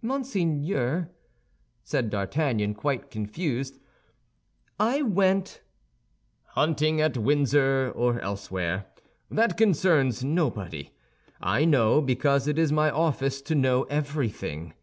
"Monseigneur," said D'Artagnan, quite confused, "I went—" "Hunting at Windsor, or elsewhere—that concerns nobody. I know, because it is my office to know everything.